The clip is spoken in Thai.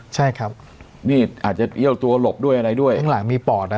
ใช่ครับนี่อาจจะเอี้ยวตัวหลบด้วยอะไรด้วยข้างหลังมีปอดนะ